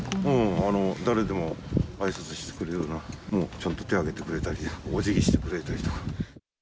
誰でもあいさつしてくれるような、もうちゃんと手上げてくれたり、お辞儀してくれたりとか。